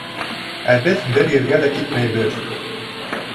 — Ә беҙ бер ергә лә китмәйбеҙ...